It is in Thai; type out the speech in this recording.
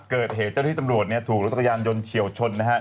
เกิดเหตุที่ตำรวจถูกรถกระยันยนต์เฉียวชนนะฮะ